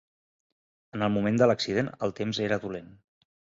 En el moment de l'accident el temps era dolent.